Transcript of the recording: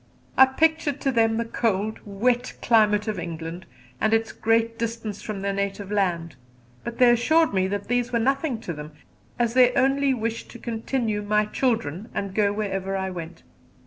I pictured to them the cold, wet climate of England and its great distance from their native land; but they assured me that these were nothing to them, as they only wished to continue my "children" and to go wherever I went.